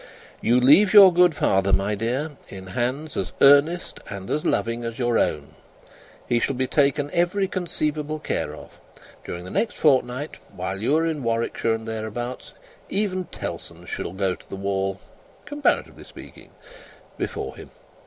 You leave your good father, my dear, in hands as earnest and as loving as your own; he shall be taken every conceivable care of; during the next fortnight, while you are in Warwickshire and thereabouts, even Tellson's shall go to the wall (comparatively speaking) before him.